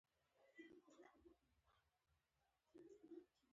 _څه وايي، ملک لالا؟